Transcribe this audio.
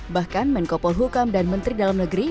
bahkan menkopol hukam dan menteri dalam negeri